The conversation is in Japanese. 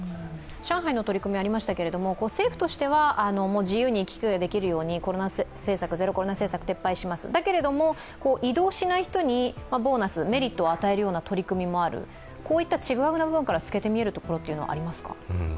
上海の取り組みがありましたけれども、政府としては自由に取り組みができるように、ゼロコロナ政策を撤廃します、だけれども、移動しない人にボーナス、メリットを与えますというこういったちぐはぐな部分から透けて見える部分はありますか？